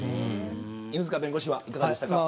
犬塚弁護士はいかがでしたか。